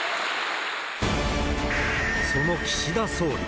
その岸田総理。